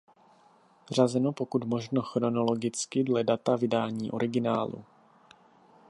Řazeno pokud možno chronologicky dle data vydání originálu.